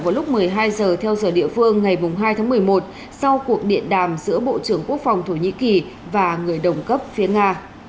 vào lúc một mươi hai giờ theo giờ địa phương ngày hai tháng một mươi một sau cuộc điện đàm giữa bộ trưởng quốc phòng thổ nhĩ kỳ và người đồng cấp phía nga